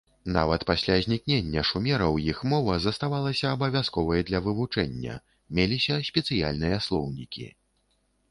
Нават пасля знікнення шумераў іх мова заставалася абавязковай для вывучэння, меліся спецыяльныя слоўнікі.